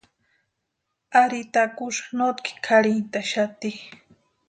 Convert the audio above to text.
Ari takusï notki kʼarhintʼaxati.